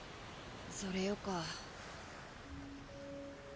それよか。